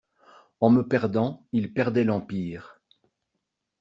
En me perdant, il perdait l'empire!